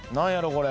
これ。